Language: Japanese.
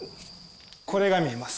これが見えます。